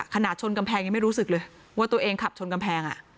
ชนกำแพงยังไม่รู้สึกเลยว่าตัวเองขับชนกำแพง